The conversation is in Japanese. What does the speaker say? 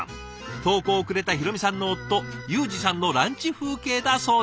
投稿をくれたひろみさんの夫ゆうじさんのランチ風景だそうです。